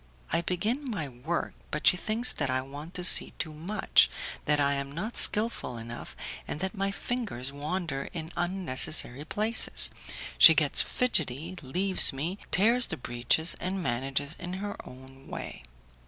I begin my work, but she thinks that I want to see too much, that I am not skilful enough, and that my fingers wander in unnecessary places; she gets fidgety, leaves me, tears the breeches, and manages in her own way.